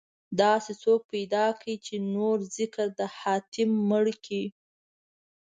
داسې څوک پيدا کړئ، چې نور ذکر د حاتم مړ کړي